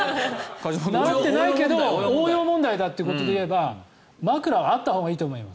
習ってないけど応用問題だということで言えば枕はあったほうがいいと思います。